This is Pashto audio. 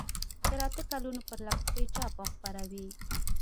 تر اته کلونو پرلپسې چاپ او خپروي.